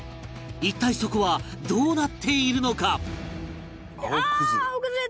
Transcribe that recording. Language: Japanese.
一体そこはどうなっているのか？